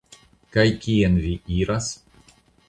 Kaj kien vi iras?